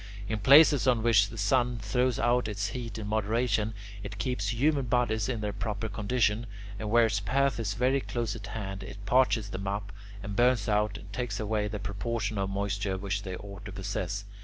In places on which the sun throws out its heat in moderation, it keeps human bodies in their proper condition, and where its path is very close at hand, it parches them up, and burns out and takes away the proportion of moisture which they ought to possess.